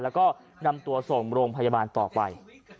แล้วก็นำตัวส่งโรงพยาบาลต่อไป